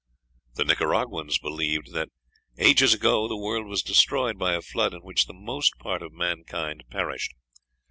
The Nicaraguans believed "that ages ago the world was destroyed by a flood, in which the most part of mankind perished.